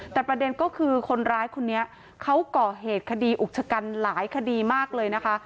แต่ประเด็นก็คือคนร้ายคนนี้เขาก่อเหตุคดีอุกชะกันหลายคดีมากเลยนะคะ